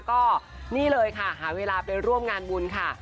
ก็นี่เลยค่ะหาเวลาไปร่วมงานบุญค่ะ